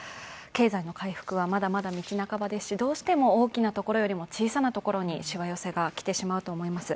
経済の回復はまだまだ、みち半ばですし、どうしても大きなところよりも小さなところにしわ寄せが来てしまうと思います。